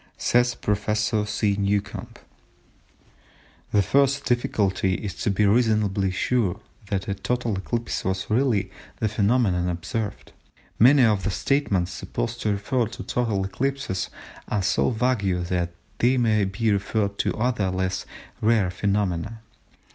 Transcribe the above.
Says Prof. S. Newcomb:—"The first difficulty is to be reasonably sure that a total eclipse was really the phenomenon observed. Many of the statements supposed to refer to total eclipses are so vague that they may be referred to other less rare phenomena.